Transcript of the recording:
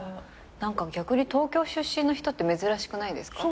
何か逆に東京出身の人って珍しくないですか？